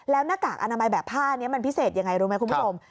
แล้วหน้ากากอนามัยแบบผ้านี้มันพิเศษยังไงรู้ไหมคุณผู้ชม